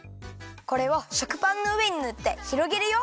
これを食パンのうえにぬってひろげるよ。